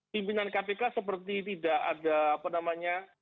pimpinan kpk seperti tidak ada apa namanya